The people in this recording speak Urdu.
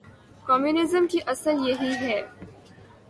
کمیونزم کی اصل یہی ہے۔